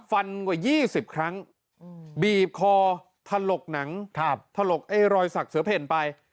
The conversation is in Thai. ฟันกว่ายี่สิบครั้งบีบคอถลกหนังครับถลกไอ้รอยสักเสื้อเพล็นไป